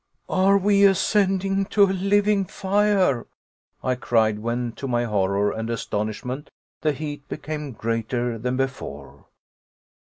"Are we ascending to a living fire?" I cried; when, to my horror and astonishment, the heat became greater than before.